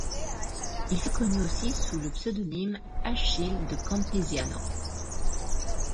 Il fut connu aussi sous le pseudonyme Achille de Campisiano.